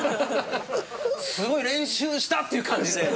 すごい練習したっていう感じで。